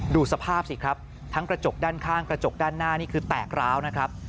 ดูสภาพสิครับทั้งกระจกด้านข้างกระจกด้านหน้านี่คือแตกร้าวนะครับ